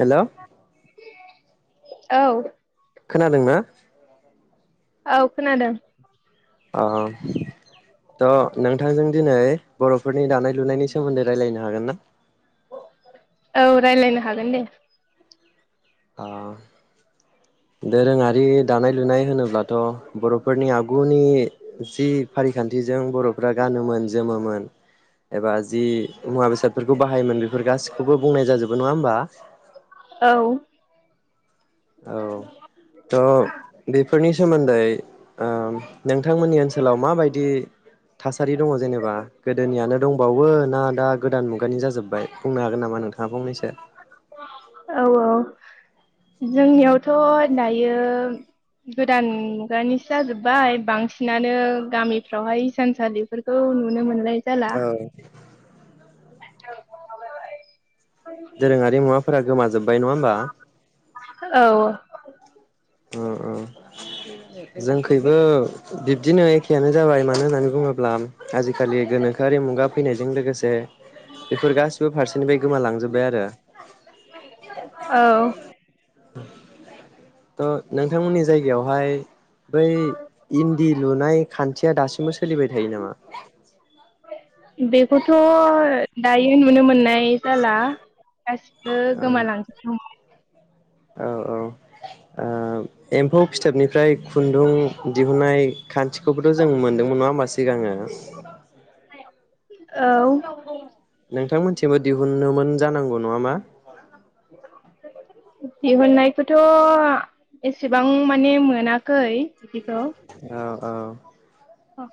हेल' औ खोनादों ना? औ खोनादों [unintelligible] थ' नोंथांजों दिनै बर'फोरनि दानाय लुनायनि सोमोन्दै रायलायनो हागोन ना? औ रायलायनो हागोन दे‌। अ दोरोङारि दानाय लुनाय होनोब्ला थ' बर'फोरनि आगुनि जि फारिखान्थिजों बर'फोरा गानोमोन जोमोमोन एबा जि मुवा बेसादफोरखौ बाहायोमोन बेफोर गासिखौबो बुंनाय जाजोबो नङा होमबा? औ औ थ' बेफोरनि सोमोन्दै ओ नोंथांमोननि ओनसोलाव माबायदि थासारि दङ जेनेबा गोदोनियानो दंबावो ना दा गोदान मुगानि जाजोबबाय बुंनो हागोन नामा नोंथां? औ औ जोंनियावथ' दायो गोदान मुगानिसो जाजोब्बाय बांसिनानो गामिफ्रावहाय हिसानसालिफोरखौ नुनो मोन औ [inaudible] दोरोङारि मुवाफोरा गोमाजोब जाबाय नङा होमबा? औ उम उम जोंखैबो बिब्दनो एखयानो जाबाय। मानो होननानै बुङोब्ला आजिखालि गोनोखोआरि मुगा फैनायजों लोगोसे बेफोर गासिबो फारसेनिफ्राय गोमालांजोब्बाय आरो। औ [unintelligible] थ' नोंथांमोननि जायगायावहाय बै इन्दि लुनाय खान्थिया दासिमबो सोलिबाय थायो नामा? बेखौथ' दायो बे नुनो मोननाय जाला। गासिबो गोमालांजोबनो [unintelligible] औ औ एम्फौ फिथोबनिफ्राय खुन्दुं दिहुननाय खान्थिखौबोथ' जों मोनदों नङा होमबा सिगांङो औ। उननोमोन जानांगौ नङामा? दिहुननायखौथ' एसेबां माने मोनाखै। बिखौ। औ औ।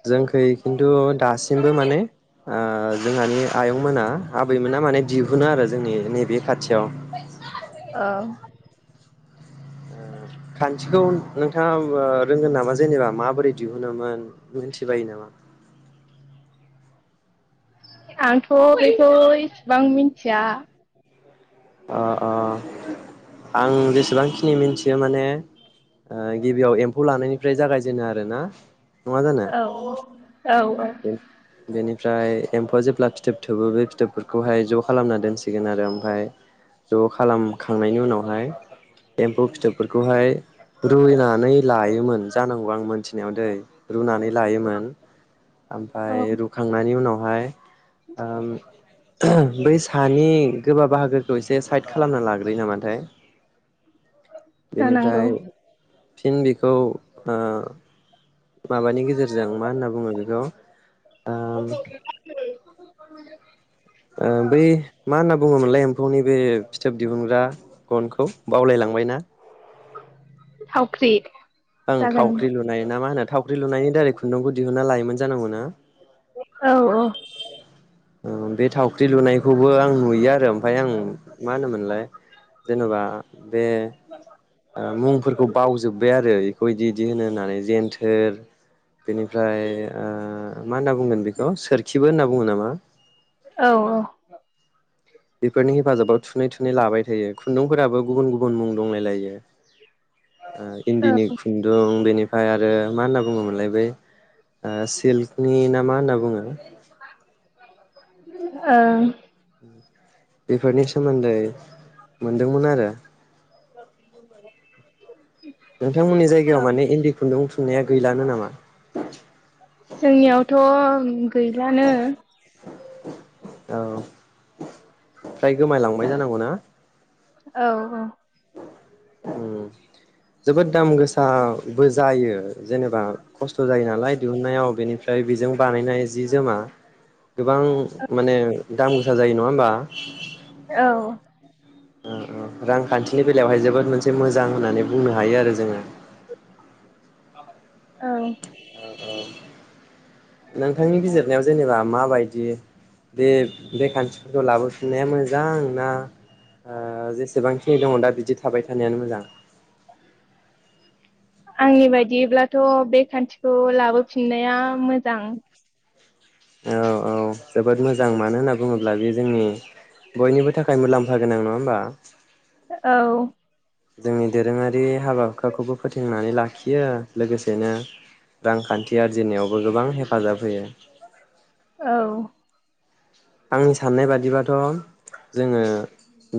जोंखो इखिनि खिन्थु दासिमबो माने ओ जोंहानि आयंमोना आबैमोना माने दिहुनो आरो जोंनि नैबे खाथियाव। ओ। खान्थिखौ नोंथाङा ओ रोंगोन नामा जेनेबा माबोरै दिहुनोमोन मिन्थिबायो नामा? आंथ' बेखौ इसिबां मिन्थिया। अ अ आं जेसेबांखिनि मिन्थियो माने गिबियाव एम्फौ लानायनिफ्राय जागायजेनो आरोना। औ। औ बे बेनि ओमफ्राय एम्फौआ जेब्ला फिथोब थोबो बे फिथोबफोरखौहाय ज खालामना दोनसिगोन आरो ओमफ्राय ज' खालामखांनायनि उनावहाय एम्फौ फिथोबफोरखौहाय रुनानै लायोमोन जानांगौ आं मोनसे नायाव दै रुनानै लायोमोन। औ ओमफ्राय रुखांनानै बेनि उनावहाय ओम बै सानि गोबा बाहागो खौ एसे साइद खालामना लाग्रोयो नामाथाय। जानांगौ बेनिफ्राय फिन बेखौ ओ माबानि गेजेरजों मा होनना बुङो बेखौ ओम [inaudible] फौनि बे फिथोब दिहुनग्रा गनखौ बावलायलांबायना। थावख्रि ओं जागोन थावख्रि लुनाय ना मा होनो थावख्रि लुनायनि दारै खुन्दुंखौ दिहुनना लायोमोन। जानांगौना? औ औ। ओ बे थावख्रि लुनायखौबो आं नुयो आरो। ओमफ्राय आं मा होनोमोनलाय जेनबा बे ओ मुंफोरखौ बावजोब्बाय आरो। बेखौ इदि इदि होनो होननानै जेन्थोर बेनिफ्राय ओ मा होन्ना बुंगोन बेखौ सोरखिबो होनना बुङो नामा? औ औ। बेफोरनि हेफाजाबाव थुनै थुनै लाबाय थायो खुन्दुं फोराबो गुबुन गुबुन मुं दंलायलायो। ओ इन्दिनि खुन्दुं बेनि फाय आरो मा होनना बुङोमोनलाय बे ओ सिल्कनि नाम मा होनना बुङो? ओं। बेफोरनि सोमोन्दै मोनदोंमोन आरो। नोंथांमोननि जायगायाव औ माने इन्दि खुन्दुं थु नाया गैलानो नामा? जोंनियावथ' गैलानो औ फ्राय गोमाय लांबाय जानांगौ ना? औ औ। उम जोबोद दाम गोसाबो जायो जेनेबा खस्थ' जायो नालाय दिहुनायाव बेनिफ्राय बेजों बानायनाय जि जोमा गोबां माने दाम गोसा जायो नङा होमबा? औ ओ ओ रांखान्थिनि बेलायावहाय जोबोद मोनसे मोजां होननानै बुंनो हायो आरो जोङो। औ नोंथांनि बिजिरनायाव जेनेबा माबायदि बे बे खान्थिफोरखौ लाबोफिननाया मोजां ना ओ जेसेबांखिनि दङ दा बि दि थाबाय थानायानो मोजां? आंनि बायदिब्लाथ' बे खान्थिखौ लाबोफिननाया मोजां। औ औ जोबोद मोजां मानो होनना बुङोब्ला बे जोंनि बयनिबो थाखाय मुलाम्फा गोनां नङा होमबा? औ जोंनि दोरोङारि हाबा हुखाखौबो फोथेंनानै लाखियो। लोगोसेनो रांखान्थि आरजिनायावबो गोबां हेफाजाब होयो। औ आंनि साननाय बादिबाथ' जोङो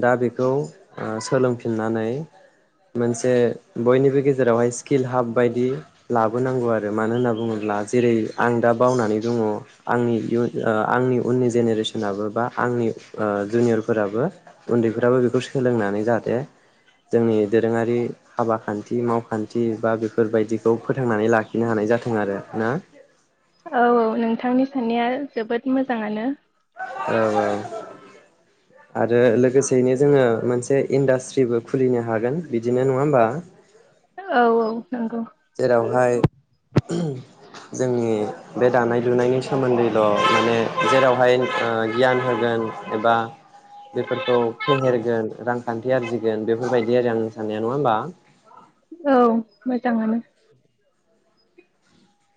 दा बेखौ ओ सोलोंफिननानै मोनसे बयनिबो गेजेरावहाय स्किल हाब बायदि लाबोनांगौ आरो मानो होनना बुङोब्ला जेरै आं दा बावनानै दङ आंनि इयुन ओ आंनि उननि ज जेनेरेसनाबो बा आंनि जुनियरफोराबो उन्दैफोराबो बेखौ सोलोंनानै जाहाथे जोंनि दोरोङारि हाबा खान्थि मावखान्थि बागो बेफोरबायदिखौ फोथांनानै लाखिनो हानाय जाथों आरो ना औ नोंथांनि सान्नाया जोबोद मोजाङानो। औ औ आरो लोगोसेयैनो जोङो मोनसे इन्डास्ट्रिबो खुलिनो हागोन बिदिनो नङा होमबा। औ औ नंगौ जेरावहाय जोंनि बे दानाय लुनायनि सोमोन्दैल' माने जेरावहाय ओ गियान होगोन एबा बेफोरखौ फेहेरगोन रांखान्थि आरजिगोन बेफोरबायदि आरो आं साननाया नङा होमबा। औ मोजाङानो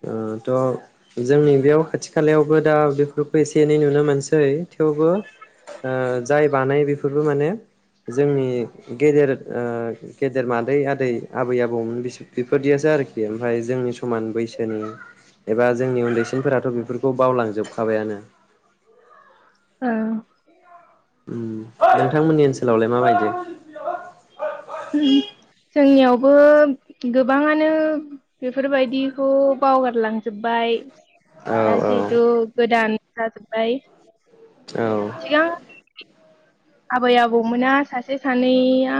ओ थ' जोंनि बेयाव खाथि खालायावबो दा बेफोरखौ एसे एनै नुनो मोनसै थेवबो ओ जाय बानायो बेफोर बो माने जोंनि गेदेर ओ गेदेर मादै आदै आबै आबौमोन बेफोरदियासो आरोखि ओमफाय जोंनि समान बैसो बे खौ बावलांजोबखाबायानो औ ओम नोंथांमोननि ओनसोलावलाय माबायदि जोंनियावबो गोबाङानो बेफोरबायदिखौ बावगारलांजोब्बाय औ दा औ जिहेतु गोदान जाजोबाय औ आबै आबौमोना सासे सानैया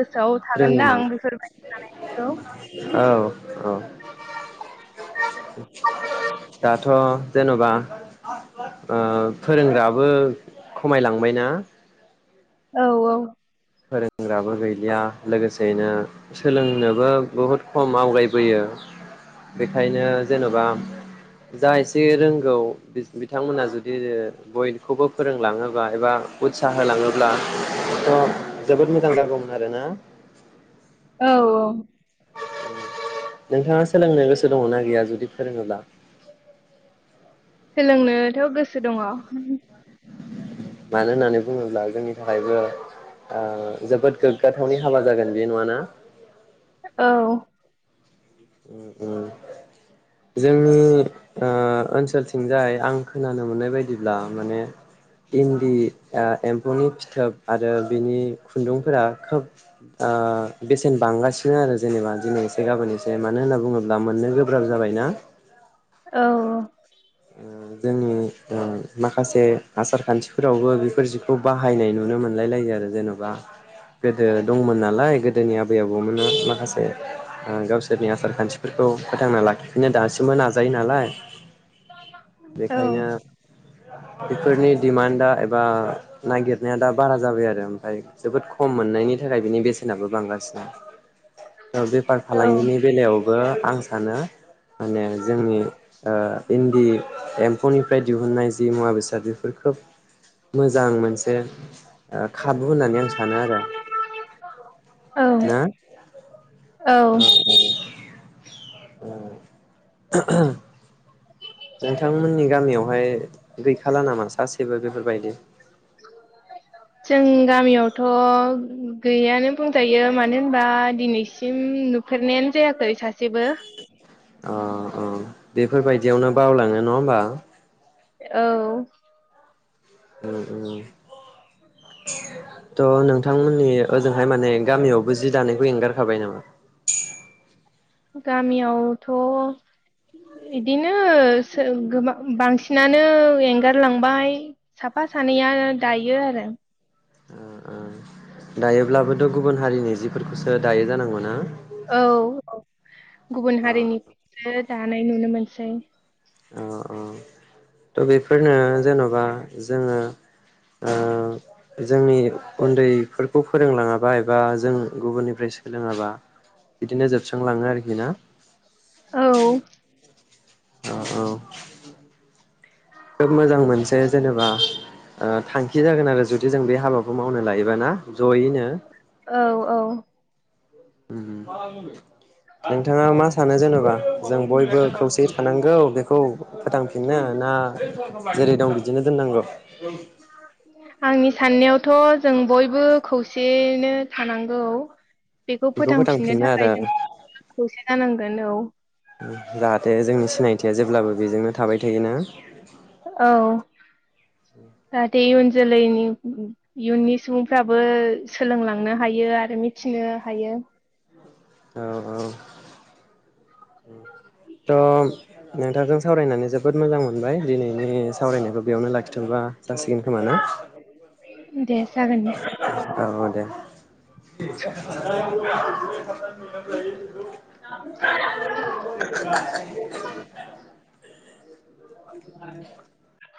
गोसोआव थागोनदां रोङोमोन बेफोरबायदि जानायफोरखौ औ औ दाथ' जेन'बा ओ फोरोंग्राबो खमायलांबायना। औ औ फोरोंग्राबो गैलिया लोगोसेनो सोलोंनोबो बहुद खम आवगायबोयो बेखायनो जेन'बा जा एसे रोंगौ बिथांमोना जुदि बयखौबो फोरोंलाङोब्ला एबा उत्साह होलाङोब्ला थ' जोबोद मोजां जागौमोन आरो ना। औ औ नोंथाङा सोलोंनो गोसो दङना गैया जुदि फोरोङोब्ला सोलोंनोथ' गोसो दङ' मानो होनानै बुङोब्ला जोंनि थाखायबो ओ जोबोद गोग्गाथावनि हाबा जागोन बि नङाना औ उम उम जोंनि ओ ओन्सोलथिंजाय आं खोनानो मोननाय बायदिब्ला माने इन्दि एम्फौनि फिथोब आरो बिनि खुन्दुंफोरा खोब ओ बेसेन बांगासिनो आरो जेनेबा दिनै एसे गाबोन एसे मानो होनना बुङोब्ला मोननो गोब्राब जाबायना औ उम जोंनि ओ माखासे आसार खान्थिफोरावबो बेफोर जिखौ बाहायनाय नुनो मोनलाय लायो आरो जेन'बा गोदो दंमोन नालाय गोदोनि आबै आबौमोना माखासे ओ गावसोरनि आसार खान्थिफोरखौ फोथांना लाखिफिनो दासिमबो नाजायो नालाय बेखायनो बेफोरनि डिमान्डा एबा नागिरनाया दा बारा जाबाय आरो ओमफ्राय जोबोद खम मोननायनि थाखाय बिनि बेसे नाबो बांगासिनो बेफार औ फालांगिनि बेलायावबो आं सानो माने जोंनि ओ इन्दि एम्फौनिफ्राय दिहुननाय जि मुवा बेसाद बेफोर खोब मोजां मोनसे खाबु होननानै आं सानो आरो औ ना औ नोंथांमोननि गामियावहाय गैखाला नामा सासेबो बेफोरबायदि? जों गामियावथ' गैयानो बुंजायो मानो होनबा दिनैसिम नुफेरनायानो जायाखै सासेबो अ अ बेफोरबायदियावनो बावलाङो नङा होमबा औ थ' नोंथांमोननि ओजोंहाय माने गामियावबो जि दानायखौ एंगारखाबाय नामा? गामियावथ' बिदिनो गो बांसिनानो एंगारलांबाय साफा सानैया दायो आरो उम उम दायोब्लाबोथ' गुबुन हारिनि जिफोरखौसो दायो जानांगौ ना औ गुबुन अ हारिनिखौसो दा नाय नुनो मोनसै अ औ थ' बेफोरनो जेन'बा जोङो ओ जोंनि उन्दैफोरखौ फोरोंलाङाबा एबा जों गुबुननिफ्राय सोलोङाबा बिदिनो जोब स्रांलाङो आरोखि ना औ औ औ खोब मोजां मोनसे जेनेबा ओ थांखि जागोन आरो जु दि जों बे हाबाखौ मावनो लायोब ना। जयैनो औ औ नोंथाङा मा सानो जेनेबा जों बयबो खौसेयै थानांगौ बेखौ फोथांफिनो ना जेरै दं बिदिनो दोननांगौ उम आंनि साननायावथ' जों बयबो खौसेयनो थानांगौ। बेखौ फोथांफिननो थाखाय जों खौसे जानांगौ। औ जाहाथे जोंनि सिनायथिया जेब्लाबो बेजोंनो थाबाय थायोना। औ जाहाथे इयुन जोलैनि इयुननि सुबुंफ्राबो सोलोंलांनो हायो आरो मिथिनो हायो। औ औ उम थ' नोंथांजों सावरायनानै जोबोद मोजां मोनबाय दिनैनि सावरायनायखौ बेयावनो लाखिथ'बा जासिगोन खोमा ना दे जागोन दे। औ दे [unintelligible] [inaudible] [unintelligible]